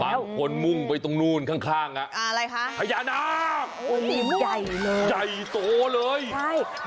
บางคนมุ่งไปตรงนู้นข้างอ่ะอะไรคะ